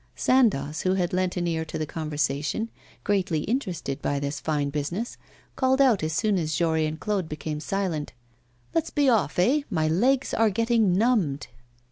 Sandoz, who had lent an ear to the conversation, greatly interested by this fine business, called out as soon as Jory and Claude became silent: 'Let's be off, eh? My legs are getting numbed.